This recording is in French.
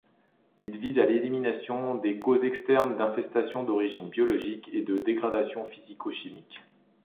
Il vise à l'élimination des causes externes d'infestations d'origine biologique et de dégradations physico-chimiques.